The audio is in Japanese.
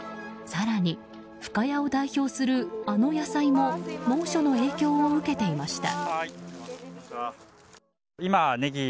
更に、深谷を代表するあの野菜も猛暑の影響を受けていました。